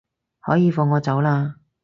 可以放我走喇